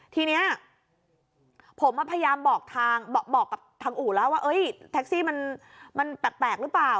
ทีนี้ผมพยายามบอกทางอู่ว่าแท็กซี่มันแปลกหรือเปล่า